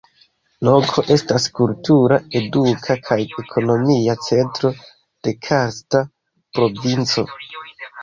Loko estas kultura, eduka kaj ekonomia centro de Karsta provinco.